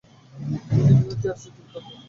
তিনি নিউ থিয়েটার্সে যোগদান করেছিলেন।